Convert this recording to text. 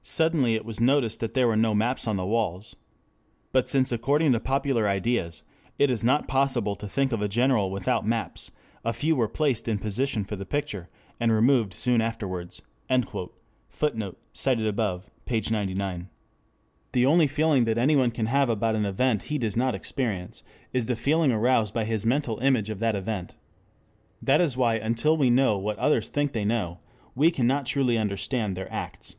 Suddenly it was noticed that there were no maps on the walls. But since according to popular ideas it is not possible to think of a general without maps, a few were placed in position for the picture, and removed soon afterwards." [Footnote: Op. cit., p. 99.] The only feeling that anyone can have about an event he does not experience is the feeling aroused by his mental image of that event. That is why until we know what others think they know, we cannot truly understand their acts.